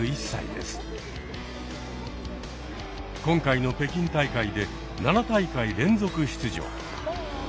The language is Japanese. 今回の北京大会で７大会連続出場。